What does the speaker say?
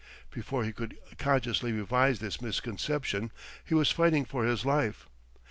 Before he could consciously revise this misconception he was fighting for his life.